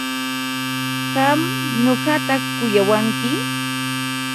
¿Qam nuqata kuyamanki?